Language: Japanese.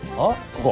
ここ？